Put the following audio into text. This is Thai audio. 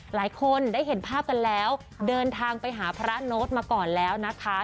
หลายคนได้เห็นภาพกันแล้วเดินทางไปหาพระโน้ตมาก่อนแล้วนะคะ